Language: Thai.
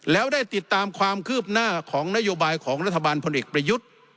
แล้วได้ติดตามความคืบหน้าของนโยบายของรัฐบาลพลเอกประยุทธ์